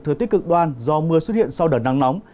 thời tiết cực đoan do mưa xuất hiện sau đợt nắng nóng